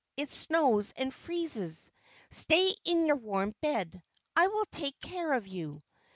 It snows and freezes. Stay in your warm bed. I will take care of you."